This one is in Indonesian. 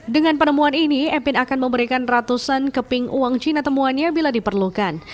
dengan penemuan ini epin akan memberikan ratusan keping uang cina temuannya bila diperlukan